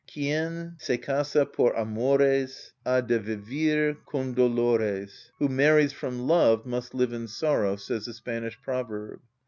"Quien se casa por amores, ha de vivir con dolores" (Who marries from love must live in sorrow), says the Spanish proverb.